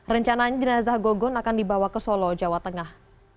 rencananya jenazah gogon akan dibawa ke solo jawa tengah